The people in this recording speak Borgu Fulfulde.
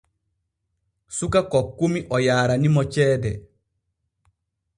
Suka kokkumi o yaaranimo ceede.